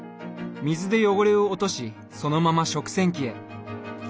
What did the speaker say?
水で汚れを落としそのまま食洗機へ。